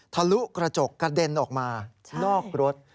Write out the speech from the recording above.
ทะลุกระจกกระเด็นออกมานอกรถ